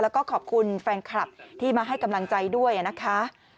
แล้วก็ขอบคุณแฟนคลับที่มาให้กำลังใจด้วยนะคะ